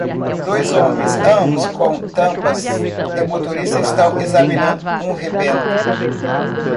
Dois homens ambos com tampas de motorista estão examinando um rebento